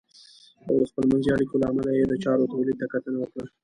او د خپلمنځي اړیکو له امله یې د چارو تولید ته کتنه وکړه .